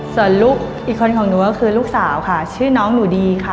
ส่วนลูกอีกคนของหนูก็คือลูกสาวค่ะชื่อน้องหนูดีค่ะ